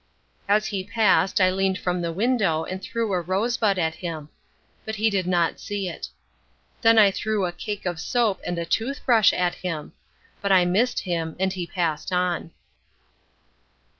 As he passed I leaned from the window and threw a rosebud at him. But he did not see it. Then I threw a cake of soap and a toothbrush at him. But I missed him, and he passed on.